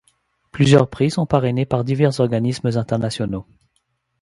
Plusieurs prix sont parrainés par divers organismes internationaux.